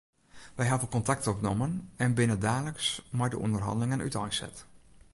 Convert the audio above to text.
Wy hawwe kontakt opnommen en binne daliks mei de ûnderhannelingen úteinset.